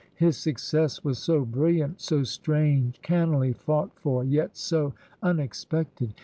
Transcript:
His success was so brilliant, so strange— cannily fought for, yet so unex pected